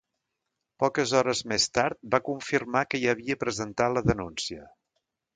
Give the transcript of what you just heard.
Poques hores més tard va confirmar que ja havia presentat la denúncia.